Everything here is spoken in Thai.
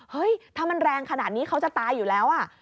เฮ้ยถ้ามันแรงขนาดนี้เขาจะตายอยู่แล้วอ่ะ